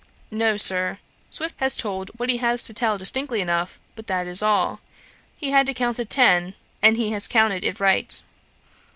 No, Sir. Swift has told what he had to tell distinctly enough, but that is all. He had to count ten, and he has counted it right.'